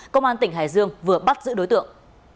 công an tp hcm vừa bắt giữ đối tượng